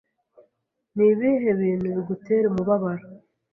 Ni ibihe bintu bigutera umubabaro?